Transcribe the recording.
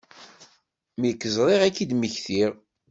Mi k-ẓriɣ i k-d-mmektiɣ.